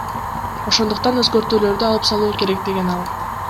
Ошондуктан өзгөртүүлөрдү алып салуу керек, — деген ал.